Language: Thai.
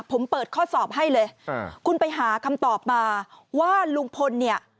ผมเปิดข้อสอบให้เลยคุณไปหาคำตอบมาว่าลุงพลเนี่ย